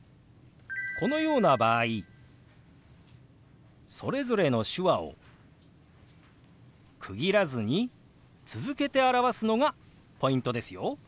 このような場合それぞれの手話を区切らずに続けて表すのがポイントですよ。